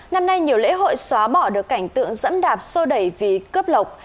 năm nay nhiều lễ hội xóa bỏ được cảnh tượng dẫm đạp xô đẩy vì cướp lộc